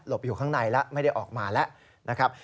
อยู่ข้างในแล้วไม่ได้ออกมาแล้วนะครับ